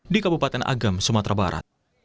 di kabupaten agam sumatera barat